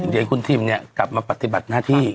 เดี๋ยวคุณทิมเนี่ยกลับมาปฏิบัติหน้าที่